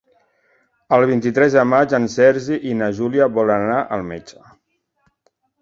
El vint-i-tres de maig en Sergi i na Júlia volen anar al metge.